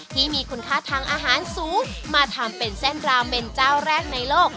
ที่มีคุณค่าทางอาหารสูงมาทำเป็นเส้นราเมนเจ้าแรกในโลก